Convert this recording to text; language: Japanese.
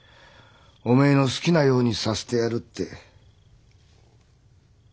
お前の好きなようにさせてやるって。